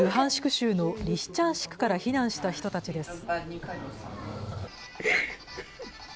州のリシチャンシクから避難した人たちです。